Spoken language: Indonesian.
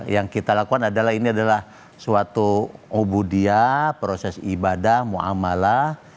yang kita lakukan adalah ini adalah suatu ubudiyah proses ibadah mu amalah